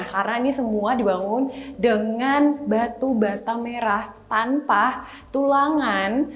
karena ini semua dibangun dengan batu bata merah tanpa tulangan